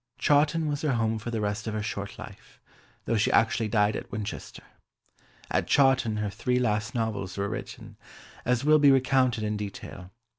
Chawton was her home for the rest of her short life, though she actually died at Winchester. At Chawton her three last novels were written, as will be recounted in detail.